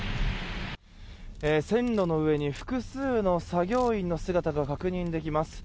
線路の上に複数の作業員の姿が確認できます。